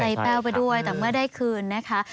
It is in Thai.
แป้วไปด้วยแต่เมื่อได้คืนนะคะ